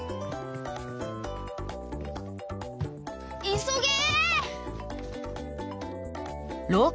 いそげ！